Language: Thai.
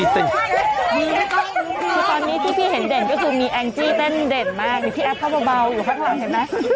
คือตอนนี้ที่พี่เห็นเด่นก็คือมีแองจี้เต้นเด่นมากมีพี่แอฟเข้าเบาอยู่ข้างหลังเห็นไหม